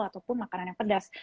ataupun makanan yang pedas